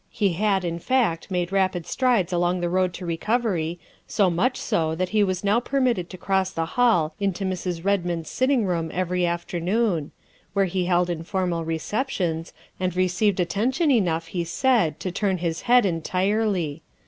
He had, hi fact, made rapid strides along the road to recovery, so much so that he was now permitted to cross the hall into Mrs. Redmond's sitting room every afternoon, where he held informal receptions, and received attention enough, he said, to turn his head entirely.